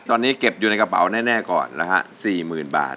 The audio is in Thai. ตอนนี้เก็บอยู่ในกระเป๋าแน่ก่อนนะฮะ๔๐๐๐บาท